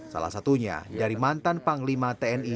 salah satunya dari mantan panglima tni